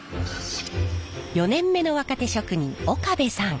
４年目の若手職人岡部さん。